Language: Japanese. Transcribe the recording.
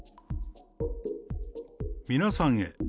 皆さんへ。